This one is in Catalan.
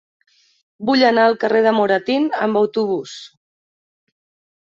Vull anar al carrer de Moratín amb autobús.